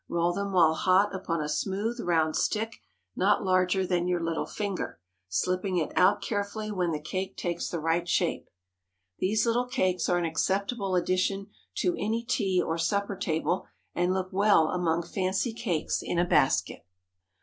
Roll them while hot upon a smooth, round stick, not larger than your little finger, slipping it out carefully when the cake takes the right shape. These little cakes are an acceptable addition to any tea or supper table, and look well among fancy cakes in a basket.